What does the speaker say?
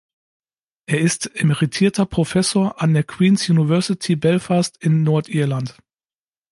Er ist emeritierter Professor an der Queen’s University Belfast in Nordirland.